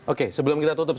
oke sebelum kita tutup